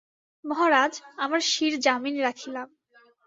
মহারাজ, আমার শির জামিন রাখিলাম।